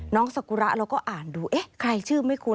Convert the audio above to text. สกุระเราก็อ่านดูเอ๊ะใครชื่อไม่คุ้น